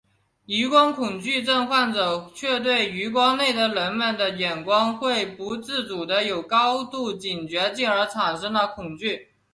余光恐惧症患者却对余光内的人们的眼光会不自主的有高度警觉进而产生了恐惧。